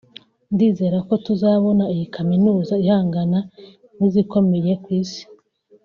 ndizera ko tuzabona iyi Kaminuza ihangana n’izikomeye ku Isi